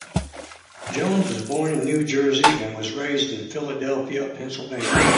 Jones was born in New Jersey, and was raised in Philadelphia, Pennsylvania.